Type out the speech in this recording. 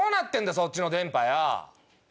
そっちの電波よ。